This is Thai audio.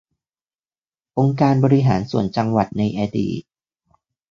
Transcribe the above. องค์การบริหารส่วนจังหวัดในอดีต